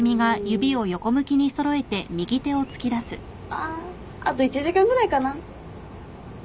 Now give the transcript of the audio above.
あああと１時間ぐらいかな。